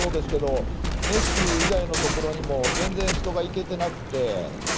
メッシ以外のところにも全然、人が行けてなくて。